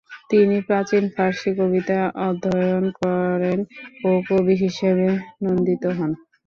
তিনি প্রাচীন ফার্সি কবিতা অধ্যয়ন করেন ও কবি হিসেবে নন্দিত হন।